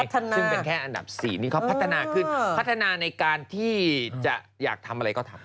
ซึ่งเป็นแค่อันดับ๔นี่เขาพัฒนาขึ้นพัฒนาในการที่จะอยากทำอะไรก็ทำ